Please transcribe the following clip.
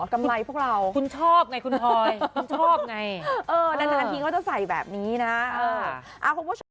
กำไรพวกเราคุณชอบไงคุณพลอยคุณชอบไงเออดังนั้นทีก็จะใส่แบบนี้น่ะเอออ่า